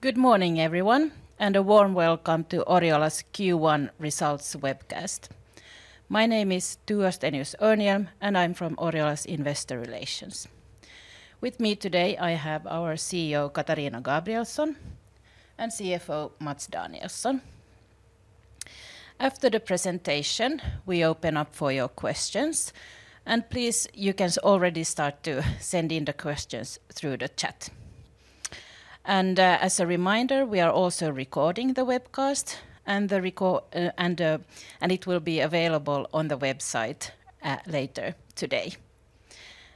Good morning, everyone, and a warm welcome to Oriola's Q1 Results Webcast. My name is Tua Stenius-Örnhjelm, and I'm from Oriola's Investor Relations. With me today, I have our CEO, Katarina Gabrielson, and CFO, Mats Danielsson. After the presentation, we open up for your questions, and please, you can already start to send in the questions through the chat. As a reminder, we are also recording the webcast, and it will be available on the website later today.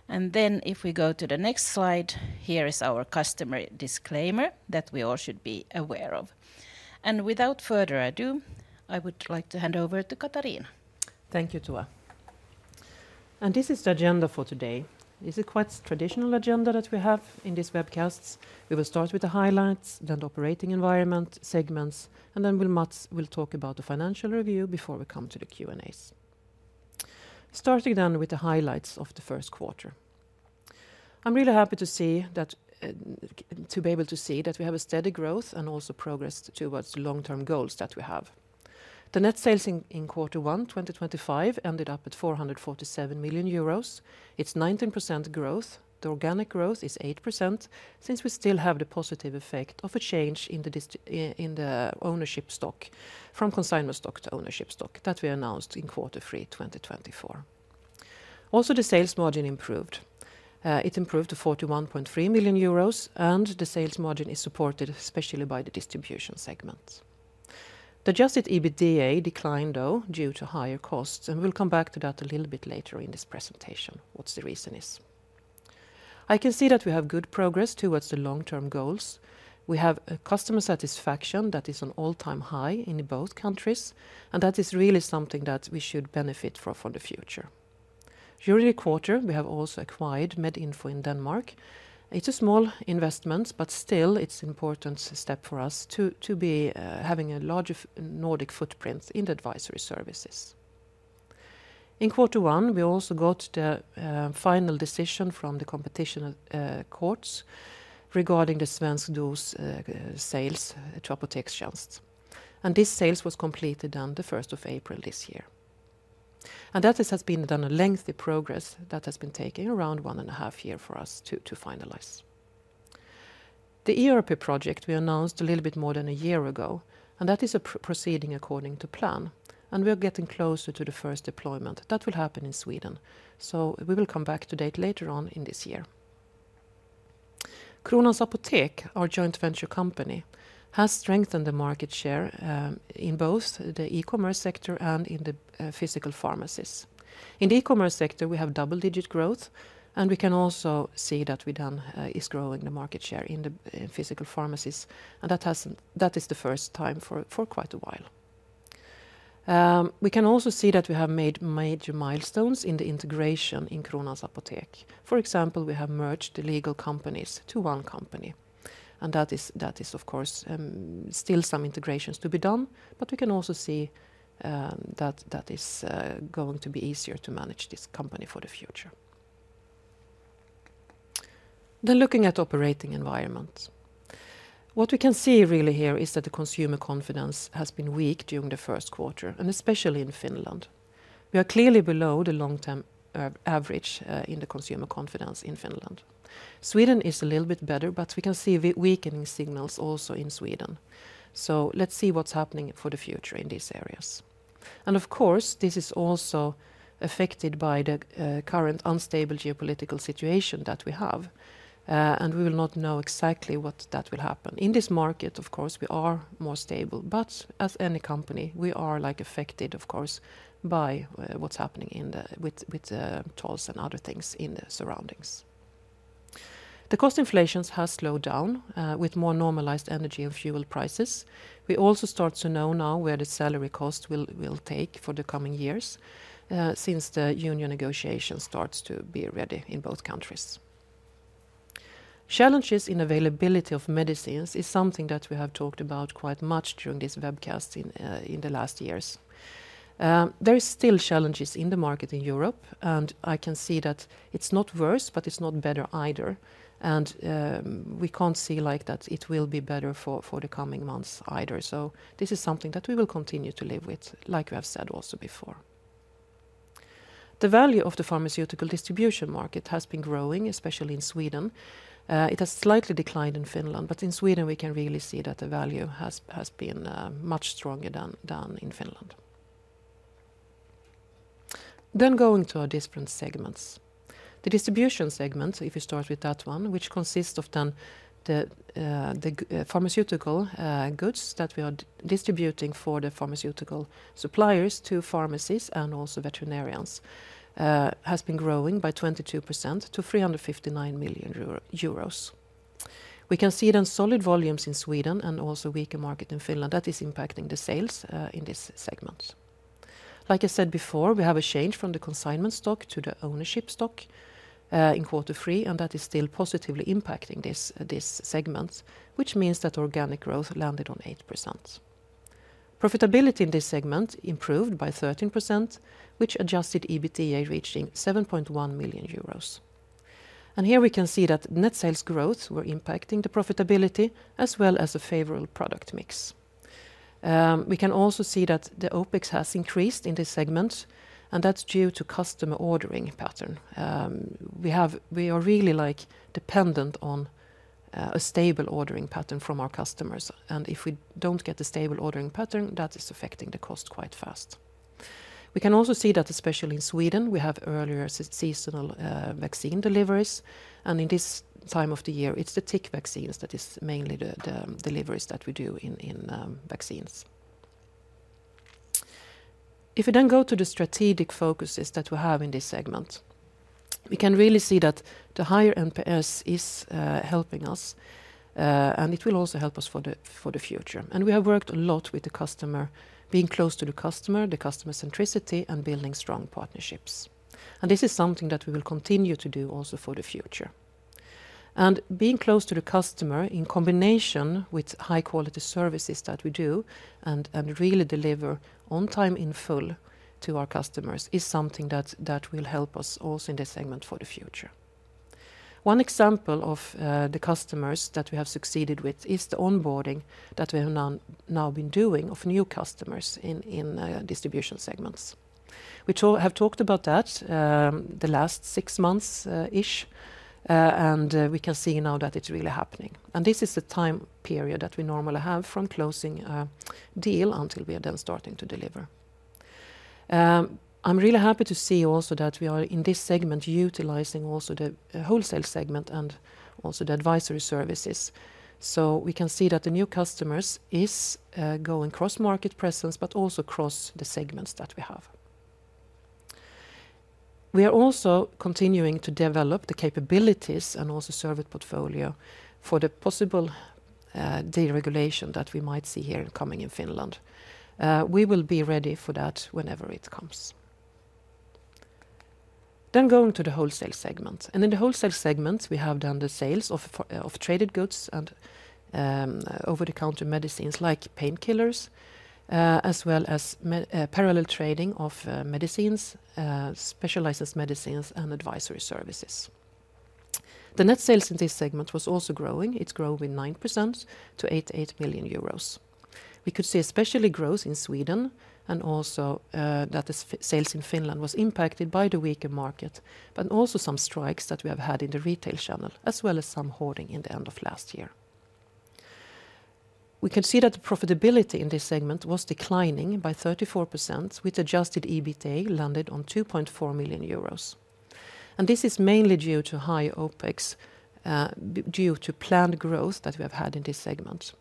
If we go to the next slide, here is our customer disclaimer that we all should be aware of. Without further ado, I would like to hand over to Katarina. Thank you, Tua. This is the agenda for today. This is quite a traditional agenda that we have in these webcasts. We will start with the highlights, then the operating environment segments, and then we'll talk about the financial review before we come to the Q&As. Starting then with the highlights of the first quarter. I'm really happy to be able to see that we have a steady growth and also progress towards the long-term goals that we have. The net sales in quarter one 2025 ended up at 447 million euros. It's 19% growth. The organic growth is 8% since we still have the positive effect of a change in the ownership stock from consignment stock to ownership stock that we announced in quarter three 2024. Also, the sales margin improved. It improved to 41.3 million euros, and the sales margin is supported especially by the distribution segments. The adjusted EBITDA declined, though, due to higher costs, and we'll come back to that a little bit later in this presentation what the reason is. I can see that we have good progress towards the long-term goals. We have customer satisfaction that is on all-time high in both countries, and that is really something that we should benefit from for the future. During the quarter, we have also acquired MedInfo in Denmark. It's a small investment, but still, it's an important step for us to be having a larger Nordic footprint in the advisory services. In quarter one, we also got the final decision from the competition courts regarding the Svensk dos sales to Apotekstjänst. This sales was completed on the first of April this year. That has been a lengthy progress that has been taking around one and a half years for us to finalize. The ERP project we announced a little bit more than a year ago, and that is proceeding according to plan, and we are getting closer to the first deployment that will happen in Sweden. We will come back to date later on in this year. Kronans Apotek, our joint venture company, has strengthened the market share in both the e-commerce sector and in the physical pharmacies. In the e-commerce sector, we have double-digit growth, and we can also see that we then are growing the market share in the physical pharmacies, and that is the first time for quite a while. We can also see that we have made major milestones in the integration in Kronans Apotek. For example, we have merged the legal companies to one company, and that is, of course, still some integrations to be done, but we can also see that that is going to be easier to manage this company for the future. Looking at the operating environment, what we can see really here is that the consumer confidence has been weak during the first quarter, and especially in Finland. We are clearly below the long-term average in the consumer confidence in Finland. Sweden is a little bit better, but we can see weakening signals also in Sweden. Let's see what's happening for the future in these areas. Of course, this is also affected by the current unstable geopolitical situation that we have, and we will not know exactly what will happen. In this market, of course, we are more stable, but as any company, we are affected, of course, by what's happening with the tolls and other things in the surroundings. The cost inflation has slowed down with more normalized energy and fuel prices. We also start to know now where the salary cost will take for the coming years since the union negotiation starts to be ready in both countries. Challenges in availability of medicines is something that we have talked about quite much during this webcast in the last years. There are still challenges in the market in Europe, and I can see that it's not worse, but it's not better either, and we can't see that it will be better for the coming months either. This is something that we will continue to live with, like we have said also before. The value of the pharmaceutical distribution market has been growing, especially in Sweden. It has slightly declined in Finland, but in Sweden, we can really see that the value has been much stronger than in Finland. Going to our different segments, the distribution segment, if you start with that one, which consists of the pharmaceutical goods that we are distributing for the pharmaceutical suppliers to pharmacies and also veterinarians, has been growing by 22% to 359 million euro. We can see solid volumes in Sweden and also a weaker market in Finland that is impacting the sales in this segment. Like I said before, we have a change from the consignment stock to the ownership stock in quarter three, and that is still positively impacting this segment, which means that organic growth landed on 8%. Profitability in this segment improved by 13%, with adjusted EBITDA reaching 7.1 million euros. Here we can see that net sales growth were impacting the profitability as well as a favorable product mix. We can also see that the OpEx has increased in this segment, and that's due to the customer ordering pattern. We are really dependent on a stable ordering pattern from our customers, and if we don't get a stable ordering pattern, that is affecting the cost quite fast. We can also see that, especially in Sweden, we have earlier seasonal vaccine deliveries, and in this time of the year, it's the tick vaccines that is mainly the deliveries that we do in vaccines. If we then go to the strategic focuses that we have in this segment, we can really see that the higher NPS is helping us, and it will also help us for the future. We have worked a lot with the customer, being close to the customer, the customer centricity, and building strong partnerships. This is something that we will continue to do also for the future. Being close to the customer in combination with high-quality services that we do and really deliver on time in full to our customers is something that will help us also in this segment for the future. One example of the customers that we have succeeded with is the onboarding that we have now been doing of new customers in distribution segments. We have talked about that the last six months-ish, and we can see now that it is really happening. This is the time period that we normally have from closing a deal until we are then starting to deliver. I'm really happy to see also that we are in this segment utilizing also the wholesale segment and also the advisory services. We can see that the new customers are going across market presence, but also across the segments that we have. We are also continuing to develop the capabilities and also service portfolio for the possible deregulation that we might see here coming in Finland. We will be ready for that whenever it comes. Going to the wholesale segment. In the wholesale segment, we have done the sales of traded goods and over-the-counter medicines like painkillers, as well as parallel trading of medicines, special licensed medicines, and advisory services. The net sales in this segment was also growing. It's grown with 9% to 88 million euros. We could see especially growth in Sweden, and also that the sales in Finland were impacted by the weaker market, but also some strikes that we have had in the retail channel, as well as some hoarding in the end of last year. We can see that the profitability in this segment was declining by 34%, with adjusted EBITDA landed on 2.4 million euros. This is mainly due to high OpEx, due to planned growth that we have had in this segment.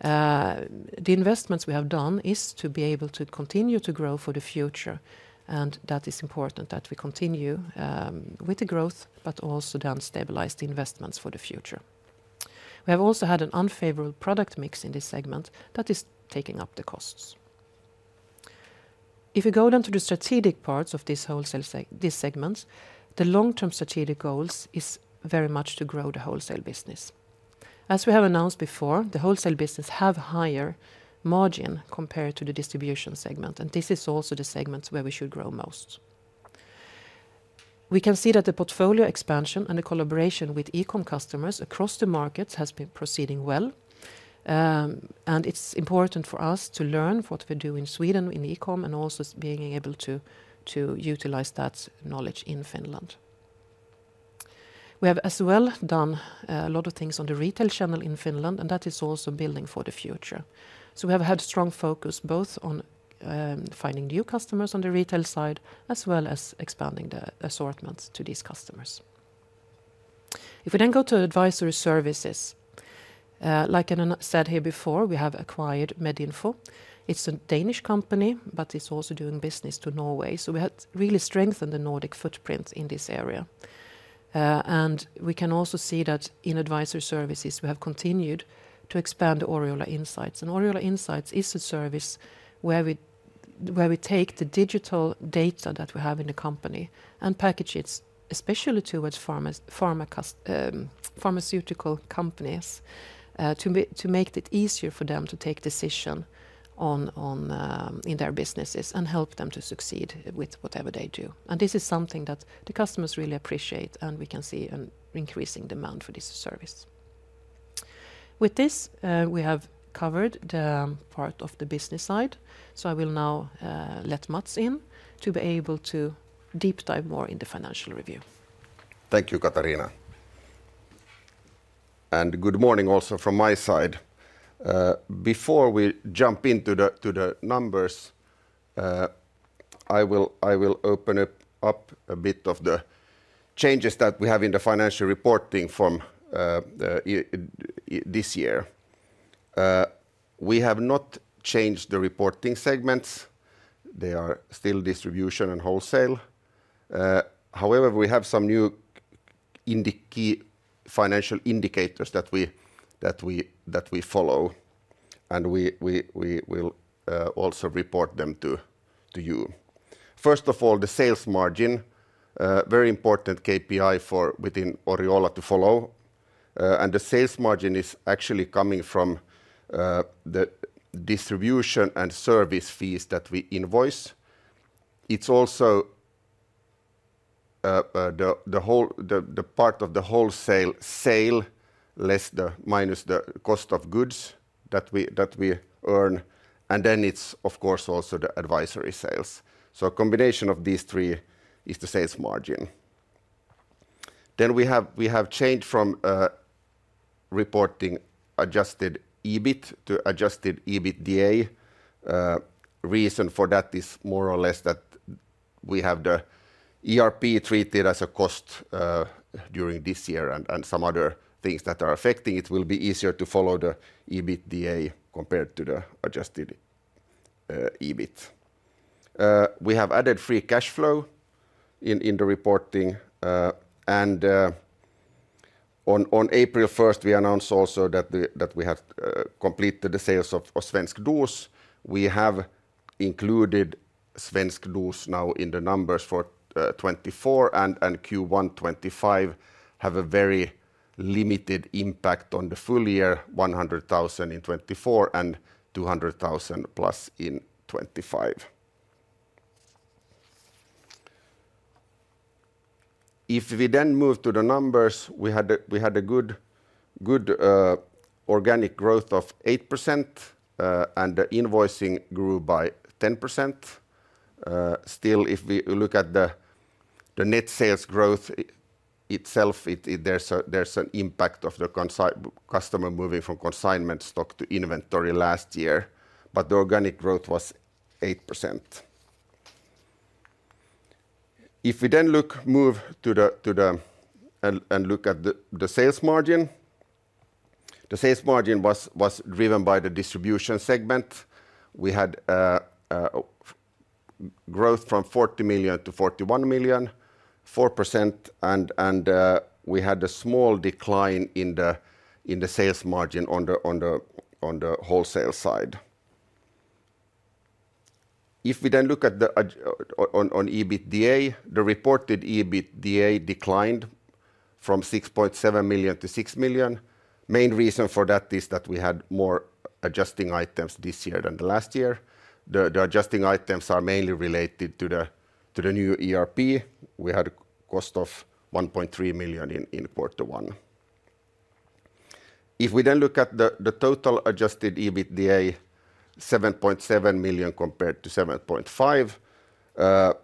The investments we have done are to be able to continue to grow for the future, and that is important that we continue with the growth, but also then stabilize the investments for the future. We have also had an unfavorable product mix in this segment that is taking up the costs. If we go down to the strategic parts of this wholesale segment, the long-term strategic goal is very much to grow the wholesale business. As we have announced before, the wholesale business has a higher margin compared to the distribution segment, and this is also the segment where we should grow most. We can see that the portfolio expansion and the collaboration with e-com customers across the markets has been proceeding well, and it's important for us to learn what we do in Sweden in e-com and also being able to utilize that knowledge in Finland. We have as well done a lot of things on the retail channel in Finland, and that is also building for the future. We have had a strong focus both on finding new customers on the retail side as well as expanding the assortments to these customers. If we then go to advisory services, like I said here before, we have acquired MedInfo. It is a Danish company, but it is also doing business with Norway. We have really strengthened the Nordic footprint in this area. We can also see that in advisory services, we have continued to expand Oriola Insights. Oriola Insights is a service where we take the digital data that we have in the company and package it especially towards pharmaceutical companies to make it easier for them to take decisions in their businesses and help them to succeed with whatever they do. This is something that the customers really appreciate, and we can see an increasing demand for this service. With this, we have covered the part of the business side, so I will now let Mats in to be able to deep dive more into the financial review. Thank you, Katarina. Good morning also from my side. Before we jump into the numbers, I will open up a bit of the changes that we have in the financial reporting from this year. We have not changed the reporting segments. They are still distribution and wholesale. However, we have some new financial indicators that we follow, and we will also report them to you. First of all, the sales margin, a very important KPI within Oriola to follow. The sales margin is actually coming from the distribution and service fees that we invoice. It is also the part of the wholesale sale, minus the cost of goods that we earn, and then it is, of course, also the advisory sales. A combination of these three is the sales margin. We have changed from reporting adjusted EBIT to adjusted EBITDA. The reason for that is more or less that we have the ERP treated as a cost during this year and some other things that are affecting it. It will be easier to follow the EBITDA compared to the adjusted EBIT. We have added free cash flow in the reporting, and on April 1st, we announced also that we have completed the sales of Svensk dos. We have included Svensk dos now in the numbers for 2024, and Q1 2025 have a very limited impact on the full year, 100,000 in 2024 and 200,000+ in 2025. If we then move to the numbers, we had a good organic growth of 8%, and the invoicing grew by 10%. Still, if we look at the net sales growth itself, there is an impact of the customer moving from consignment stock to inventory last year, but the organic growth was 8%. If we then move to the and look at the sales margin, the sales margin was driven by the distribution segment. We had growth from 40 million-41 million, 4%, and we had a small decline in the sales margin on the wholesale side. If we then look at the on EBITDA, the reported EBITDA declined from 6.7 million-6 million. The main reason for that is that we had more adjusting items this year than last year. The adjusting items are mainly related to the new ERP. We had a cost of 1.3 million in quarter one. If we then look at the total adjusted EBITDA, 7.7 million compared to 7.5 million,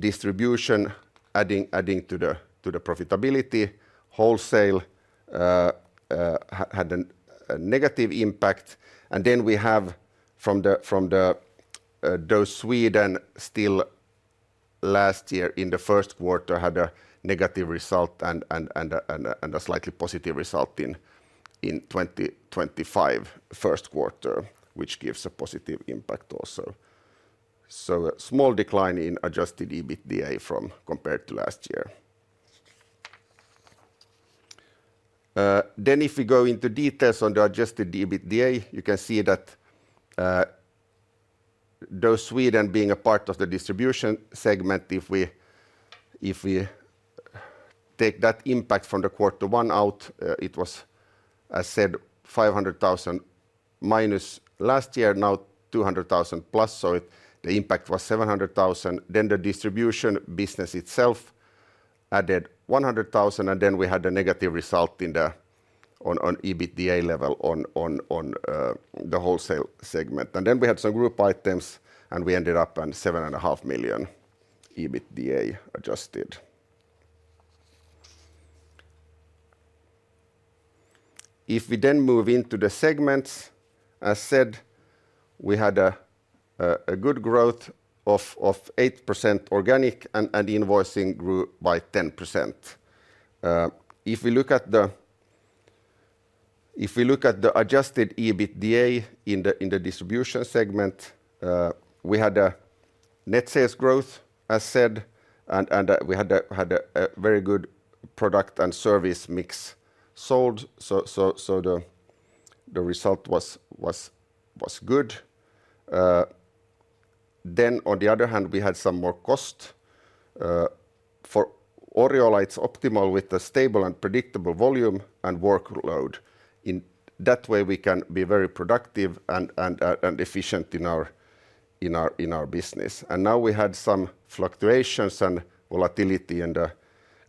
distribution adding to the profitability, wholesale had a negative impact. From those, Sweden still last year in the first quarter had a negative result and a slightly postive result in 2025 first quarter, which gives a positive impact also. A small decline in adjusted EBITDA compared to last year. If we go into details on the adjusted EBITDA, you can see that those Sweden being a part of the distribution segment, if we take that impact from quarter one out, it was, as said, 500,000- last year, now 200,000+. The impact was 700,000. The distribution business itself added 100,000, and we had a negative result on EBITDA level on the wholesale segment. We had some group items, and we ended up at 7.5 million EBITDA adjusted. If we then move into the segments, as said, we had a good growth of 8% organic, and invoicing grew by 10%. If we look at the adjusted EBITDA in the distribution segment, we had a net sales growth, as said, and we had a very good product and service mix sold, so the result was good. On the other hand, we had some more cost. For Oriola, it is optimal with the stable and predictable volume and workload. In that way, we can be very productive and efficient in our business. Now we had some fluctuations and volatility in the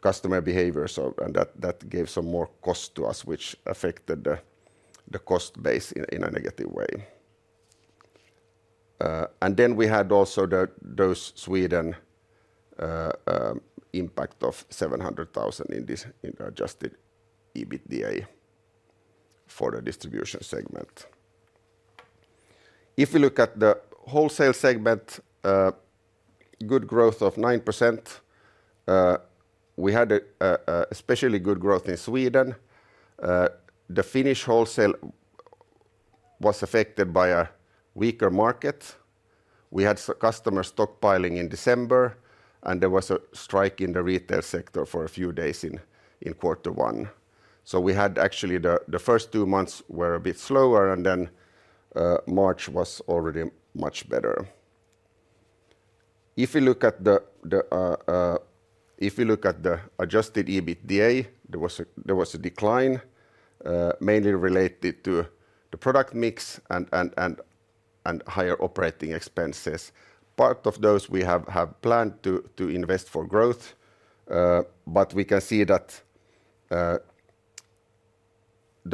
customer behavior, and that gave some more cost to us, which affected the cost base in a negative way. We had also those Sweden impact of 700,000 in the adjusted EBITDA for the distribution segment. If we look at the wholesale segment, good growth of 9%. We had especially good growth in Sweden. The Finnish wholesale was affected by a weaker market. We had customer stockpiling in December, and there was a strike in the retail sector for a few days in quarter one. The first two months were a bit slower, and then March was already much better. If we look at the adjusted EBITDA, there was a decline, mainly related to the product mix and higher operating expenses. Part of those we have planned to invest for growth, but we can see that the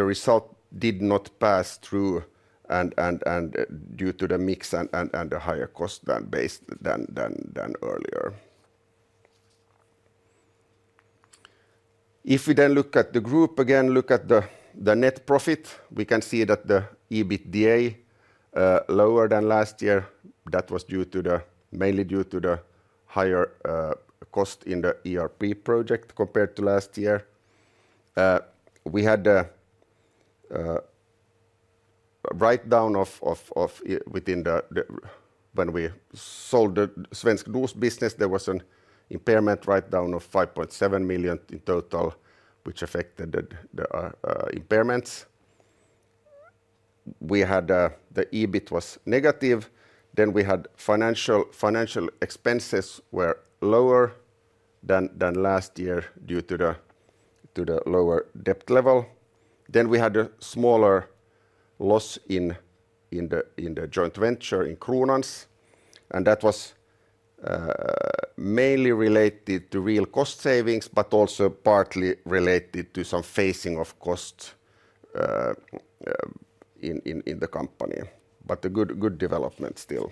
result did not pass through due to the mix and the higher cost than earlier. If we then look at the group again, look at the net profit, we can see that the EBITDA is lower than last year. That was mainly due to the higher cost in the ERP project compared to last year. We had a write-down when we sold the Svensk dos business, there was an impairment write-down of 5.7 million in total, which affected the impairments. The EBIT was negative. Financial expenses were lower than last year due to the lower debt level. We had a smaller loss in the joint venture in Kronans, and that was mainly related to real cost savings, but also partly related to some phasing of costs in the company. A good development still.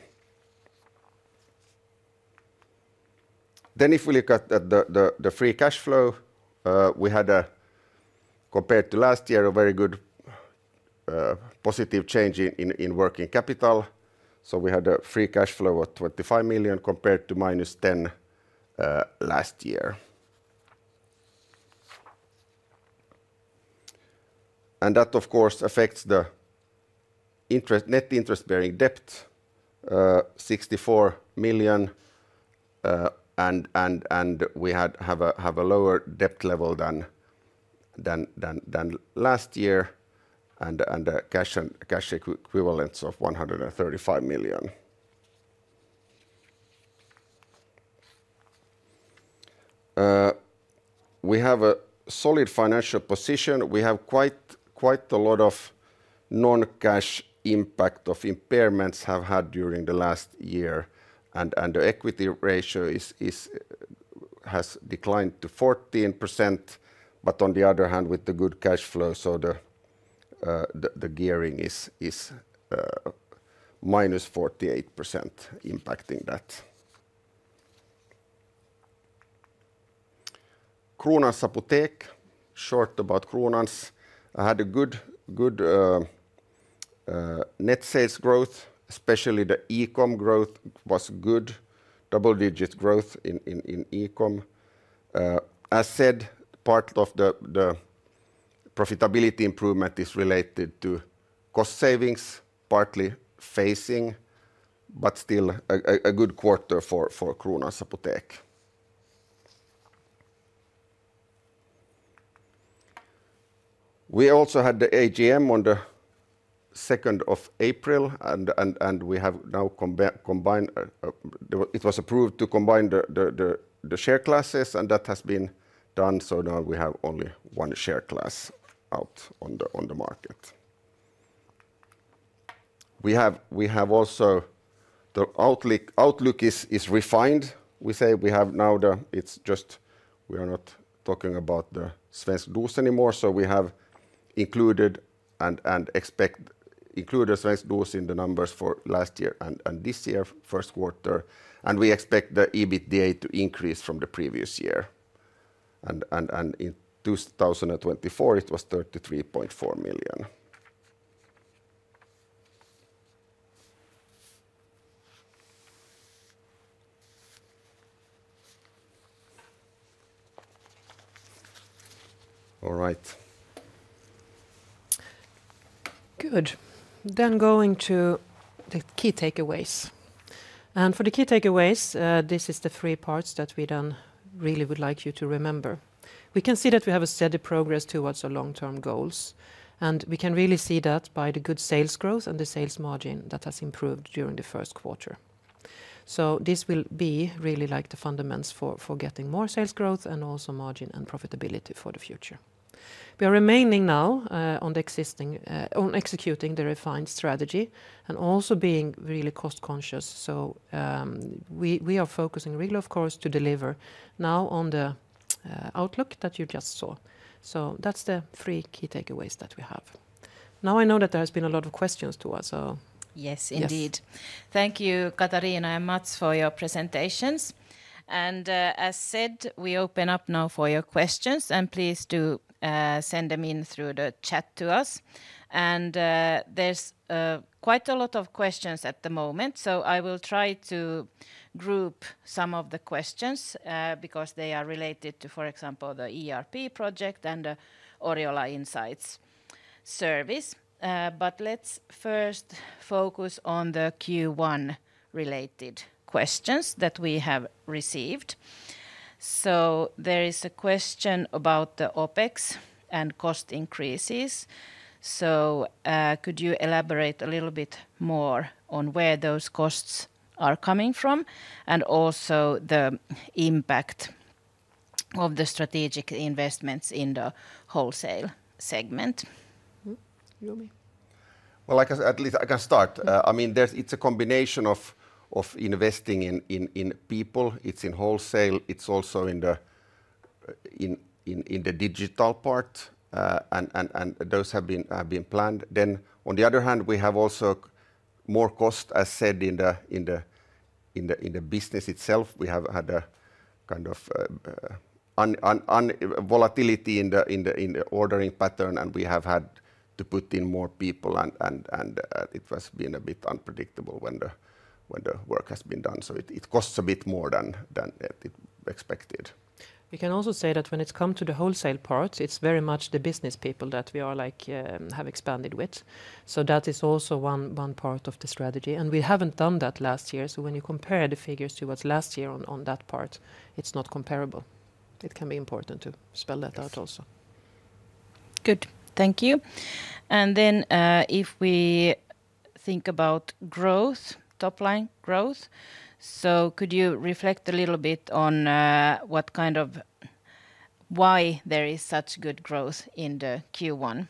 If we look at the free cash flow, we had, compared to last year, a very good positive change in working capital. We had a free cash flow of EUR `25 million compared to -10 million last year. That, of course, affects the net interest-bearing debt, 64 million, and we have a lower debt level than last year and a cash equivalence of 135 million. We have a solid financial position. We have quite a lot of non-cash impact of impairments we have had during the last year, and the equity ratio has declined to 14%. On the other hand, with the good cash flow, the gearing is -48% impacting that. Kronans Apotek, short about Kronans, had a good net sales growth, especially the e-com growth was good, double-digit growth in e-com. As said, part of the profitability improvement is related to cost savings, partly phasing, but still a good quarter for Kronans Apotek. We also had the AGM on the 2nd of April, and we have now combined it was approved to combine the share classes, and that has been done, so now we have only one share class out on the market. We have also the outlook is refined. We say we have now the it's just we are not talking about the Svensk dos anymore, so we have included and included Svensk dos in the numbers for last year and this year first quarter, and we expect the EBITDA to increase from the previous year. And in 2024, it was EUR 33.4 million. All right. Good. Going to the key takeaways. For the key takeaways, this is the three parts that we then really would like you to remember. We can see that we have a steady progress towards our long-term goals, and we can really see that by the good sales growth and the sales margin that has improved during the first quarter. This will be really like the fundamentals for getting more sales growth and also margin and profitability for the future. We are remaining now on executing the refined strategy and also being really cost-conscious. We are focusing really, of course, to deliver now on the outlook that you just saw. That's the three key takeaways that we have. Now I know that there has been a lot of questions to us. Yes, indeed. Thank you, Katarina and Mats, for your presentations. As said, we open up now for your questions, and please do send them in through the chat to us. There is quite a lot of questions at the moment, so I will try to group some of the questions because they are related to, for example, the ERP project and the Oriola Insights service. Let's first focus on the Q1-related questions that we have received. There is a question about the OpEx and cost increases. Could you elaborate a little bit more on where those costs are coming from and also the impact of the strategic investments in the wholesale segment? At least I can start. I mean, it's a combination of investing in people. It's in wholesale. It's also in the digital part, and those have been planned. On the other hand, we have also more cost, as said, in the business itself. We have had a kind of volatility in the ordering pattern, and we have had to put in more people, and it has been a bit unpredictable when the work has been done. It costs a bit more than expected. We can also say that when it comes to the wholesale part, it's very much the business people that we have expanded with. That is also one part of the strategy. We haven't done that last year. When you compare the figures to what's last year on that part, it's not comparable. It can be important to spell that out also. Good. Thank you. If we think about growth, top-line growth, could you reflect a little bit on what kind of why there is such good growth in the Q1?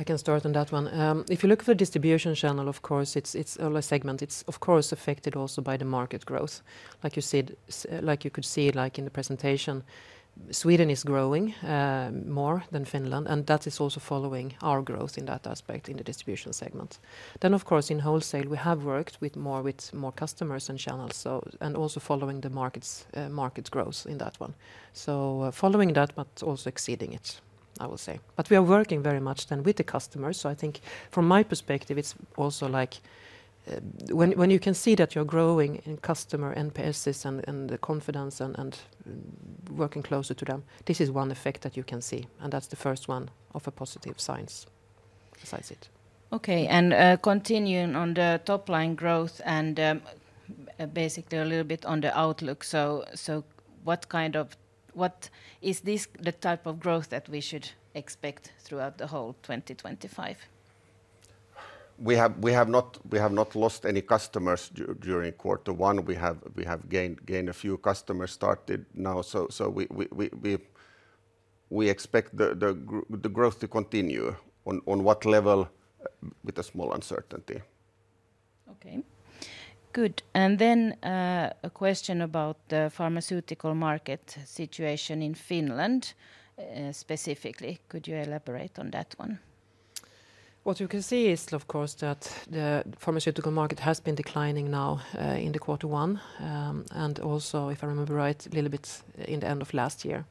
I can start on that one. If you look at the distribution channel, of course, it's all a segment. It's, of course, affected also by the market growth. Like you said, like you could see in the presentation, Sweden is growing more than Finland, and that is also following our growth in that aspect in the distribution segment. In wholesale, we have worked more with more customers and channels, and also following the market's growth in that one. Following that, but also exceeding it, I will say. We are working very much then with the customers. I think from my perspective, it's also like when you can see that you're growing in customer NPS and the confidence and working closer to them, this is one effect that you can see. That's the first one of the positive signs, as I see it. Okay. Continuing on the top-line growth and basically a little bit on the outlook. What is this the type of growth that we should expect throughout the whole 2025? We have not lost any customers during quarter one. We have gained a few customers started now. We expect the growth to continue on what level with a small uncertainty. Okay. Good. A question about the pharmaceutical market situation in Finland specifically. Could you elaborate on that one? What you can see is, of course, that the pharmaceutical market has been declining now in quarter one and also, if I remember right, a little bit in the end of last year.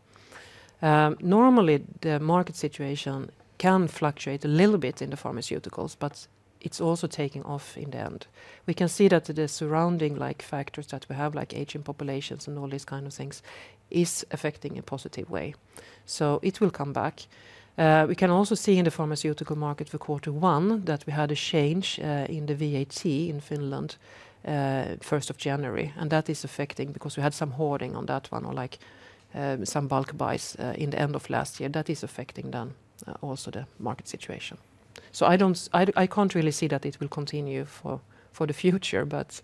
Normally, the market situation can fluctuate a little bit in the pharmaceuticals, but it is also taking off in the end. You can see that the surrounding factors that we have, like aging populations and all these kinds of things, are affecting in a positive way. It will come back. You can also see in the pharmaceutical market for quarter one that we had a change in the VAT in Finland 1st January. That is affecting because we had some hoarding on that one or some bulk buys in the end of last year. That is affecting then also the market situation. I can't really see that it will continue for the future, but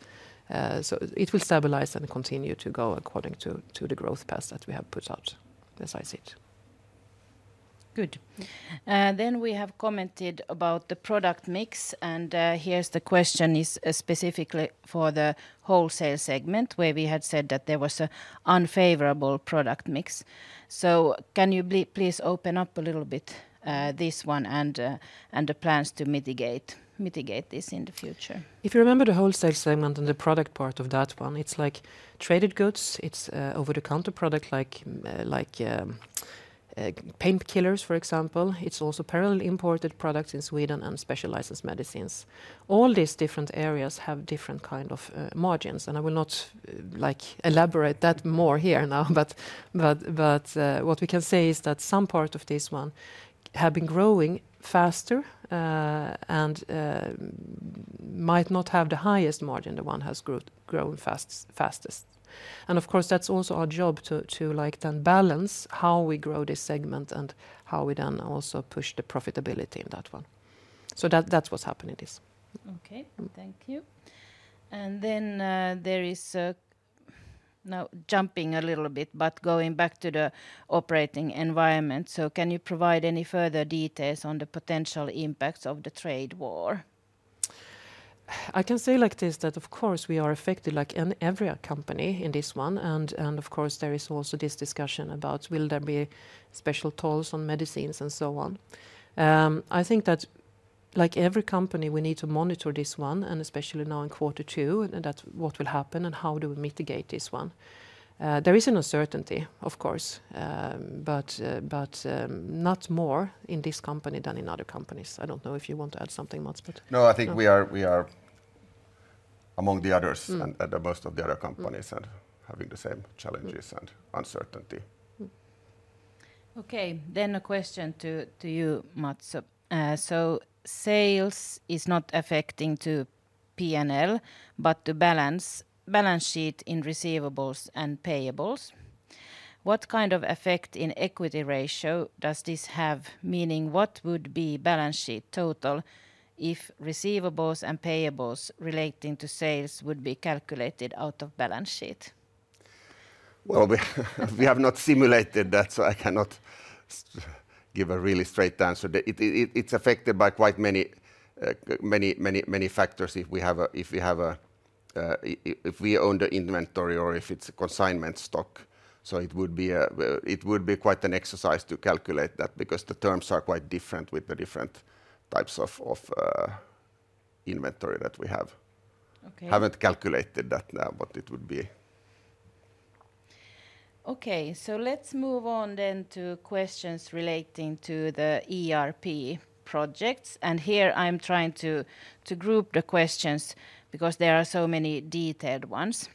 it will stabilize and continue to go according to the growth path that we have put out, as I see it. Good. We have commented about the product mix. Here's the question specifically for the wholesale segment where we had said that there was an unfavorable product mix. Can you please open up a little bit this one and the plans to mitigate this in the future? If you remember the wholesale segment and the product part of that one, it's like traded goods. It's over-the-counter products like painkillers, for example. It's also parallel imported products in Sweden and special licensed medicines. All these different areas have different kinds of margins. I will not elaborate that more here now, but what we can say is that some part of this one has been growing faster and might not have the highest margin; the one has grown fastest. Of course, that's also our job to then balance how we grow this segment and how we then also push the profitability in that one. That's what's happening is. Okay. Thank you. There is now jumping a little bit, but going back to the operating environment. Can you provide any further details on the potential impacts of the trade war? I can say like this that, of course, we are affected like every company in this one. Of course, there is also this discussion about will there be special tolls on medicines and so on. I think that like every company, we need to monitor this one, and especially now in quarter two, and that's what will happen and how do we mitigate this one. There is an uncertainty, of course, but not more in this company than in other companies. I don't know if you want to add something, Mats, but. No, I think we are among the others and most of the other companies and having the same challenges and uncertainty. Okay. A question to you, Mats. Sales is not affecting to P&L, but to balance sheet in receivables and payables. What kind of effect in equity ratio does this have? Meaning what would be balance sheet total if receivables and payables relating to sales would be calculated out of balance sheet? We have not simulated that, so I cannot give a really straight answer. It's affected by quite many factors if we have a if we own the inventory or if it's consignment stock. It would be quite an exercise to calculate that because the terms are quite different with the different types of inventory that we have. Haven't calculated that now, but it would be. Okay. Let's move on then to questions relating to the ERP projects. Here I'm trying to group the questions because there are so many detailed ones.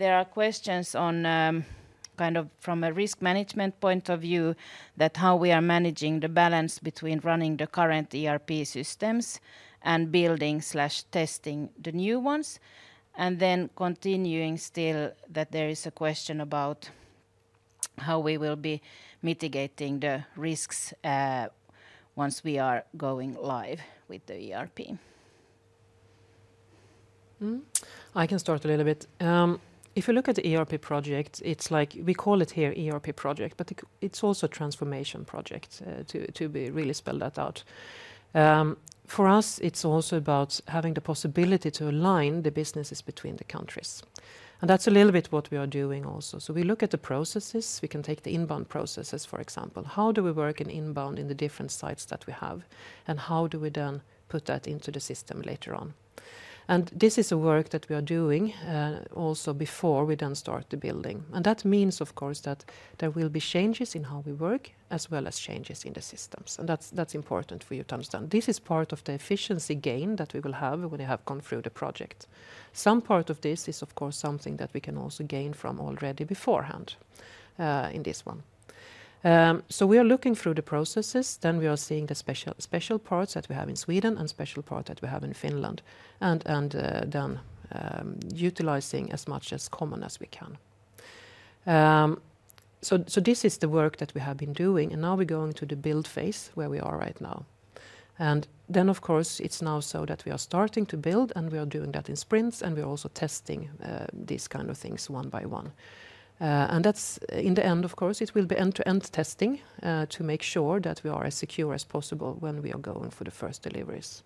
There are questions on, kind of from a risk management point of view, how we are managing the balance between running the current ERP systems and building/testing the new ones. Continuing still, there is a question about how we will be mitigating the risks once we are going live with the ERP. I can start a little bit. If you look at the ERP project, it's like we call it here ERP project, but it's also a transformation project to really spell that out. For us, it's also about having the possibility to align the businesses between the countries. That is a little bit what we are doing also. We look at the processes. We can take the inbound processes, for example. How do we work in inbound in the different sites that we have? How do we then put that into the system later on? This is a work that we are doing also before we then start the building. That means, of course, that there will be changes in how we work as well as changes in the systems. That is important for you to understand. This is part of the efficiency gain that we will have when we have gone through the project. Some part of this is, of course, something that we can also gain from already beforehand in this one. We are looking through the processes. We are seeing the special parts that we have in Sweden and special parts that we have in Finland, and then utilizing as much as common as we can. This is the work that we have been doing. Now we're going to the build phase where we are right now. Of course, it's now so that we are starting to build, and we are doing that in sprints, and we are also testing these kinds of things one by one. That's in the end, of course, it will be end-to-end testing to make sure that we are as secure as possible when we are going for the first deliveries.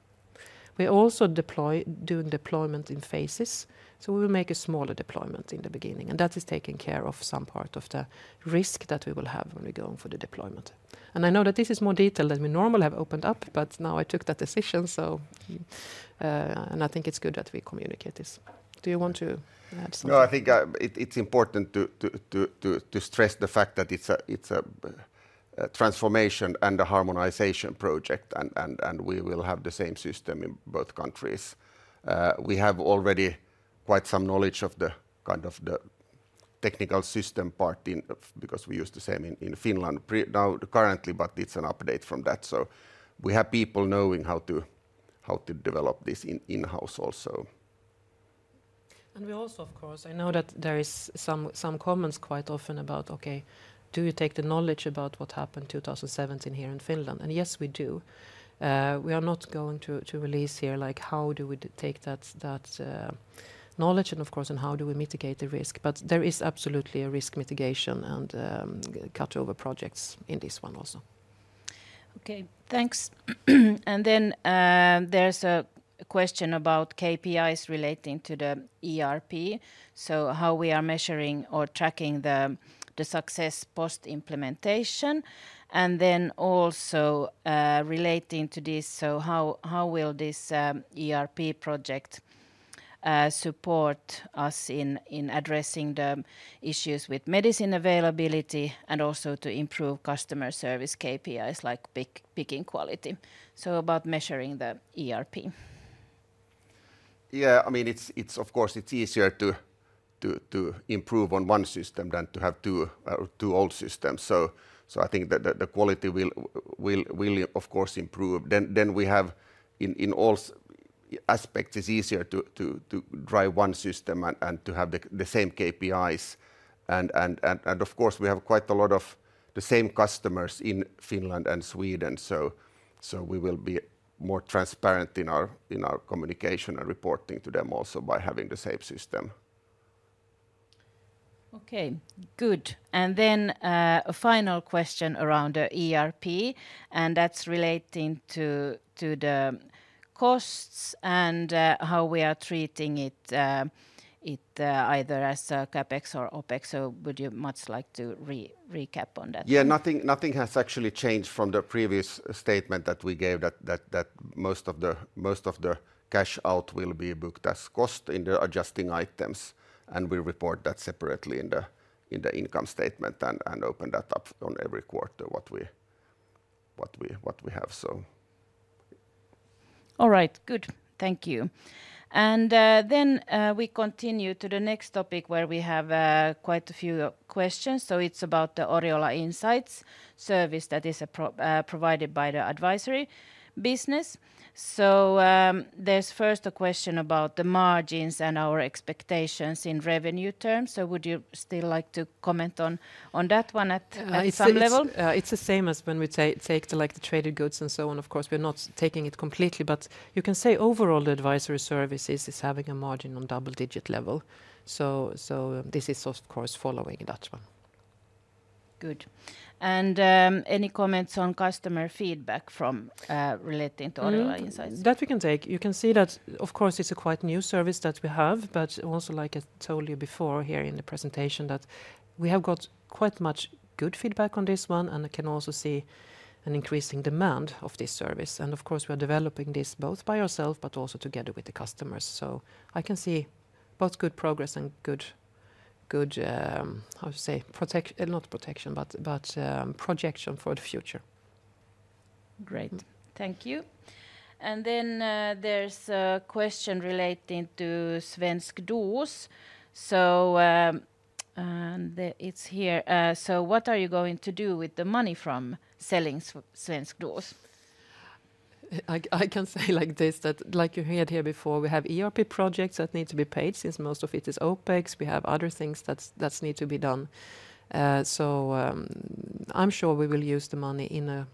We are also doing deployment in phases. We will make a smaller deployment in the beginning. That is taking care of some part of the risk that we will have when we go for the deployment. I know that this is more detailed than we normally have opened up, but now I took that decision. I think it's good that we communicate this. Do you want to add something? No, I think it's important to stress the fact that it's a transformation and a harmonization project, and we will have the same system in both countries. We have already quite some knowledge of the kind of the technical system part because we use the same in Finland currently, but it's an update from that. We have people knowing how to develop this in-house also. We also, of course, I know that there is some comments quite often about, okay, do you take the knowledge about what happened in 2017 here in Finland? Yes, we do. We are not going to release here like how do we take that knowledge and, of course, how do we mitigate the risk. There is absolutely a risk mitigation and cutover projects in this one also. Okay. Thanks. There is a question about KPIs relating to the ERP, so how we are measuring or tracking the success post-implementation. Also relating to this, how will this ERP project support us in addressing the issues with medicine availability and also to improve customer service KPIs like picking quality? About measuring the ERP. Yeah. I mean, of course, it's easier to improve on one system than to have two old systems. I think that the quality will, of course, improve. We have in all aspects, it's easier to drive one system and to have the same KPIs. Of course, we have quite a lot of the same customers in Finland and Sweden. We will be more transparent in our communication and reporting to them also by having the same system. Okay. Good. A final question around the ERP, and that is relating to the costs and how we are treating it either as a CapEx or OpEx. Would you like to recap on that? Yeah. Nothing has actually changed from the previous statement that we gave that most of the cash out will be booked as cost in the adjusting items. We report that separately in the income statement and open that up on every quarter what we have, so. All right. Good. Thank you. We continue to the next topic where we have quite a few questions. It is about the Oriola Insights Service that is provided by the advisory business. There is first a question about the margins and our expectations in revenue terms. Would you still like to comment on that one at some level? It's the same as when we take the traded goods and so on. Of course, we're not taking it completely, but you can say overall the advisory services is having a margin on double-digit level. This is, of course, following that one. Good. Any comments on customer feedback relating to Oriola Insights? That we can take. You can see that, of course, it's a quite new service that we have, but also like I told you before here in the presentation that we have got quite much good feedback on this one, and I can also see an increasing demand of this service. I can see both good progress and good, how to say, not protection, but projection for the future. Great. Thank you. There is a question relating to Svensk dos. It is here. What are you going to do with the money from selling Svensk dos? I can say like this that like you heard here before, we have ERP projects that need to be paid since most of it is OpEx. We have other things that need to be done. I am sure we will use the money in a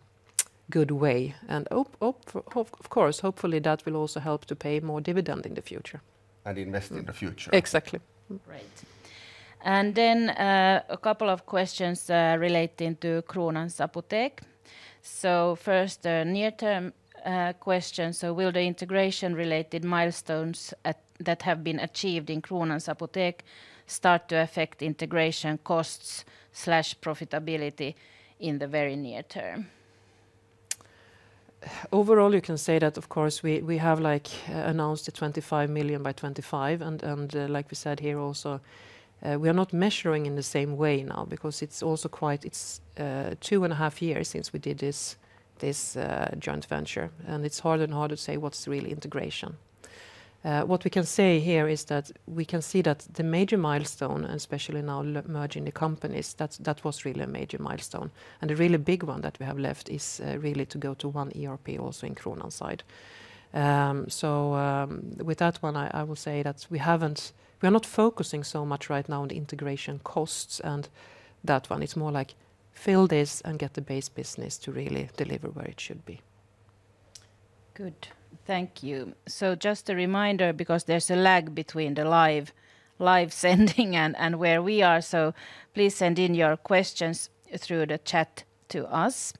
good way. Of course, hopefully that will also help to pay more dividend in the future. Invest in the future. Exactly. Great. Then a couple of questions relating to Kronans Apotek. First, a near-term question. Will the integration-related milestones that have been achieved in Kronans Apotek start to affect integration costs/profitability in the very near term? Overall, you can say that, of course, we have announced the 25 million by 2025. Like we said here also, we are not measuring in the same way now because it is also quite two and a half years since we did this joint venture. It is harder and harder to say what is really integration. What we can say here is that we can see that the major milestone, especially now merging the companies, that was really a major milestone. The really big one that we have left is really to go to one ERP also on Kronans side. With that one, I will say that we are not focusing so much right now on integration costs and that one. It is more like fill this and get the base business to really deliver where it should be. Good. Thank you. Just a reminder because there's a lag between the live sending and where we are. Please send in your questions through the chat to us.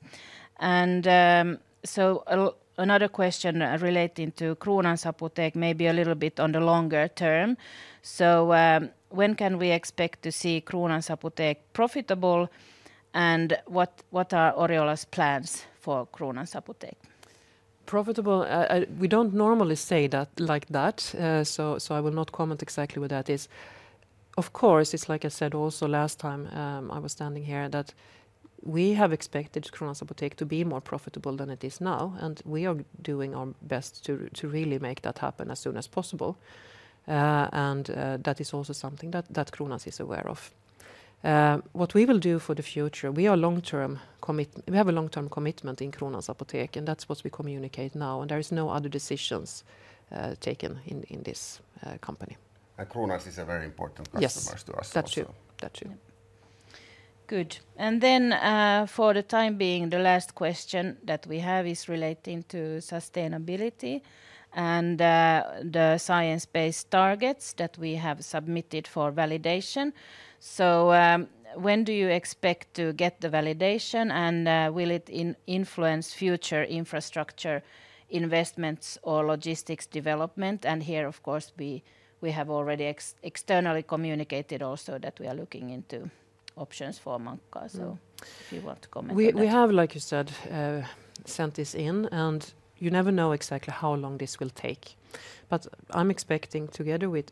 Another question relating to Kronans Apotek, maybe a little bit on the longer term. When can we expect to see Kronans Apotek profitable? What are Oriola's plans for Kronans Apotek? Profitable? We do not normally say that like that. I will not comment exactly what that is. Of course, like I said also last time I was standing here, we have expected Kronans Apotek to be more profitable than it is now. We are doing our best to really make that happen as soon as possible. That is also something that Kronans is aware of. What we will do for the future, we have a long-term commitment in Kronans Apotek, and that is what we communicate now. There are no other decisions taken in this company. Kronans is a very important customer to us also. Yes. That's true. That's true. Good. For the time being, the last question that we have is relating to sustainability and the science-based targets that we have submitted for validation. When do you expect to get the validation? Will it influence future infrastructure investments or logistics development? Here, of course, we have already externally communicated also that we are looking into options for Mankkaa. If you want to comment on that. We have, like you said, sent this in, and you never know exactly how long this will take. I am expecting together with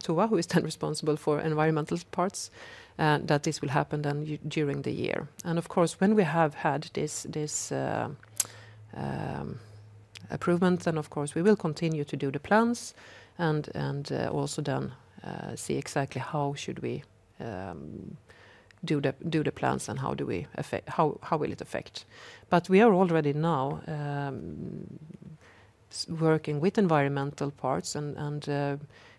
Tuula, who is then responsible for environmental parts, that this will happen during the year. Of course, when we have had this improvement, we will continue to do the plans and also then see exactly how should we do the plans and how will it affect. We are already now working with environmental parts, and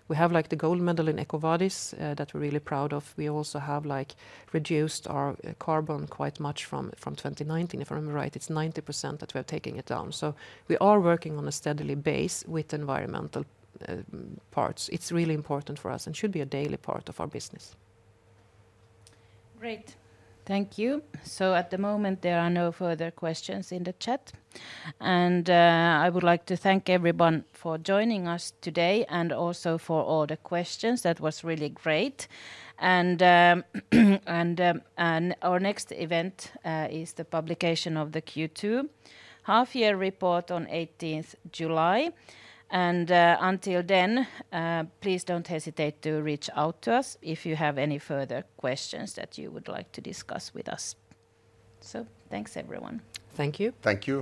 we have like the gold medal in EcoVadis that we are really proud of. We also have reduced our carbon quite much from 2019, if I remember right. It is 90% that we are taking it down. We are working on a steadily base with environmental parts. It is really important for us and should be a daily part of our business. Great. Thank you. At the moment, there are no further questions in the chat. I would like to thank everyone for joining us today and also for all the questions. That was really great. Our next event is the publication of the Q2 half-year report on 18th July. Until then, please do not hesitate to reach out to us if you have any further questions that you would like to discuss with us. Thanks, everyone. Thank you. Thank you.